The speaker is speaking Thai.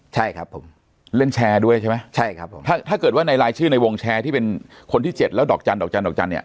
ใช่ครับผมเล่นแชร์ด้วยใช่ไหมใช่ครับผมถ้าเกิดว่าในรายชื่อในวงแชร์ที่เป็นคนที่เจ็ดแล้วดอกจันทอกจันทอกจันทร์เนี่ย